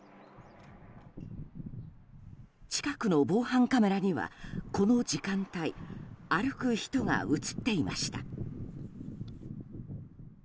近くの防犯カメラにはこの時間帯歩く人が映っていました。